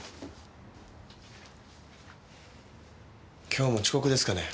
今日も遅刻ですかね？